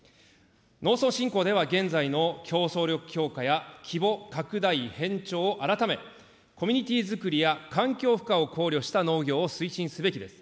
農村振興では、現在の競争力強化や規模拡大偏重を改め、コミュニティづくりや環境負荷を考慮した農業を推進すべきです。